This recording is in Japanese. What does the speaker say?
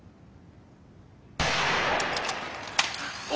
お！